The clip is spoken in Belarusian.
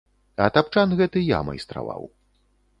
А тапчан гэты я майстраваў.